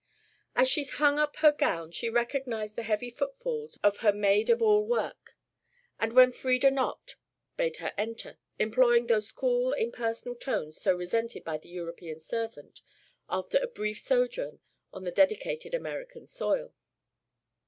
As she hung up her gown she recognised the heavy footfalls of her maid of all work, and when Frieda knocked, bade her enter, employing those cool impersonal tones so resented by the European servant after a brief sojourn on the dedicated American soil.